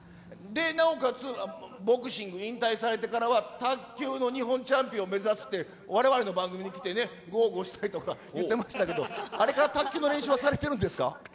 なおかつ、ボクシング引退されてからは、卓球の日本チャンピオンを目指すって、われわれの番組来てね、豪語したりとか、言ってましたけど、あれから卓球の練習はされてるんですか？